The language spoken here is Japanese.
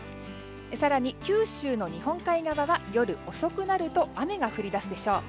更に、九州の日本海側は夜遅くなると雨が降り出すでしょう。